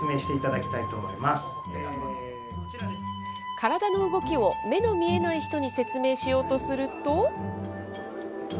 体の動きを目の見えない人に説明しようとすると。